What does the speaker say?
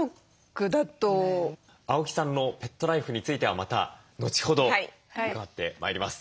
青木さんのペットライフについてはまた後ほど伺ってまいります。